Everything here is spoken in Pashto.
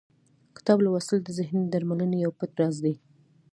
کتاب لوستل د ذهني درملنې یو پټ راز دی.